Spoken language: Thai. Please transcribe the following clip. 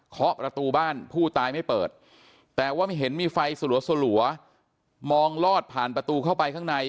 ประตูบ้านผู้ตายไม่เปิดแต่ว่าไม่เห็นมีไฟสลัวมองลอดผ่านประตูเข้าไปข้างใน